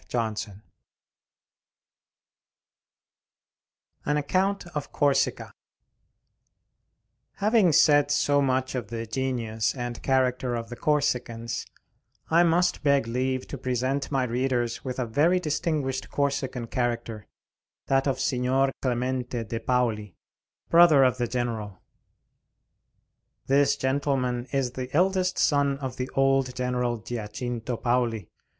Johnson Signature] AN ACCOUNT OF CORSICA Having said so much of the genius and character of the Corsicans, I must beg leave to present my readers with a very distinguished Corsican character, that of Signor Clemente de' Paoli, brother of the General. This gentleman is the eldest son of the old General Giacinto Paoli.